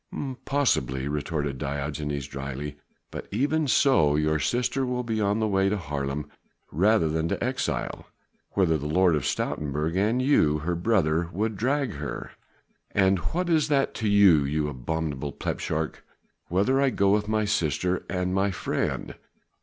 "Possibly," retorted Diogenes dryly, "but even so your sister will be on the way to Haarlem rather than to exile whither the Lord of Stoutenburg and you her brother would drag her." "And what is it to you, you abominable plepshurk, whither I go with my sister and my friend?"